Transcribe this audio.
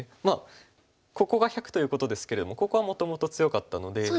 まあここが１００ということですけれどもここはもともと強かったので。